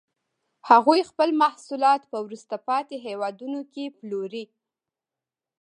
هغوی خپل محصولات په وروسته پاتې هېوادونو کې پلوري